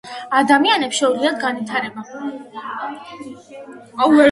ადამიანებს შეუძლიათ განვითრება